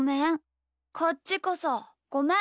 こっちこそごめん。